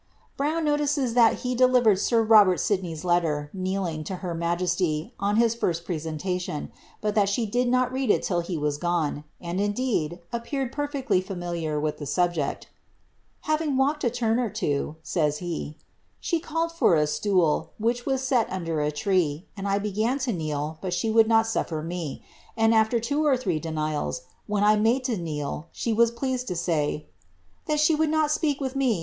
Brown notices that he delivered sir Robert Sidney's letter, kneeling, > her majesty, on his firat presentation, but that she did not read it till s was gone ; and, indeed, appeared perfectly familiar with the subject. Having walked a turn or two," says he, ^she called for a stool, which "M set under a tree, and 1 began to kneel, but she would not snfler me ;^ Sidney Paperii voL iL 204 ELIZABBTH. aii(], after two or three denials, when I made lo kneel, she was pleued to say, ' thai she would not speak with me.